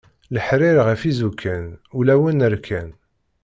Leḥrir ɣef isukan ulawen rkan.